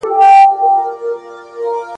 ملا جان مي د خوبونو تعبیر کښلی !.